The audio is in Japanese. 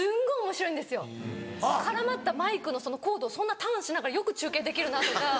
絡まったマイクのコードをそんなターンしながらよく中継できるなとか。